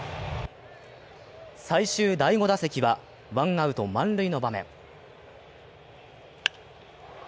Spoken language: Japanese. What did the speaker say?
最終第５打席はワンアウト満塁の場面。